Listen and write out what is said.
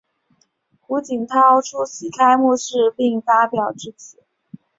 胡锦涛出席开幕式并发表致辞。